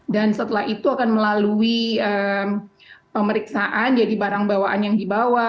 dan setelah itu akan melalui pemeriksaan jadi barang bawaan yang dibawa